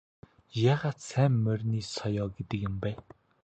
Яагаад сайн морины соёо гэдэг юм бэ?